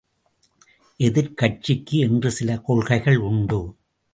எதிர்க்கட்சிக்கு என்று சில கொள்கைகள் உண்டு.